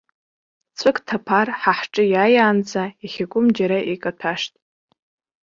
Ҵәык ҭаԥар, ҳара ҳҿы иааиаанӡа иахьакәым џьара икаҭәашт.